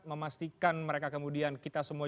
memastikan mereka kemudian kita semua